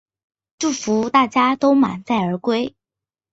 祝福大家都满载而归